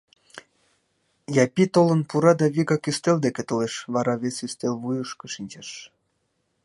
Япи толын пура да вигак ӱстел деке толеш, вара вес ӱстел вуйышко шинчеш.